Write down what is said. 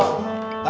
aku mau ke rumah